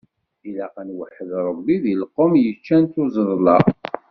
Ilaq ad nweḥḥed Ṛebbi, deg lqum yeččan tuẓeḍla.